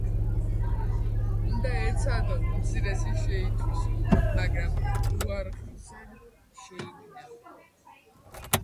უნდა ეცადო უმცირესი შეითვისო, მაგრამ უაღრესად შეიგნო.